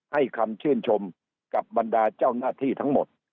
ให้คำชื่นชมกับบรรดาเจ้าหน้าที่ทั้งหมด